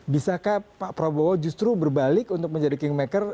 bisakah pak prabowo justru berbalik untuk menjadi kingmaker